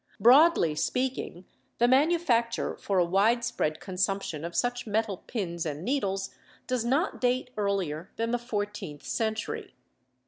Broadly speaking, the manufacture for a widespread consumption of such metal pins and needles does not date earlier than the fourteenth century.